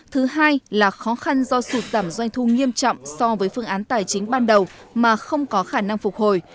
thứ hai là khó khăn do sụt giảm doanh thu nghiêm trọng so với phương án tài chính ban đầu mà không có khả năng phục hồi